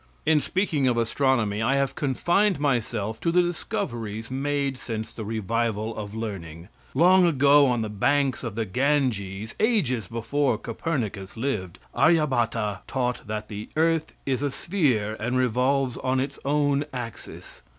In speaking of astronomy I have confined myself to the discoveries made since the revival of learning. Long ago, on the banks of the Ganges, ages before Copernicus lived, Aryabhatta taught that the earth is a sphere and revolves on its own axis.